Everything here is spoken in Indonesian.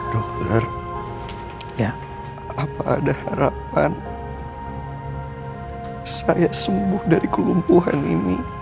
dokter apa ada harapan saya sembuh dari kelumpuhan ini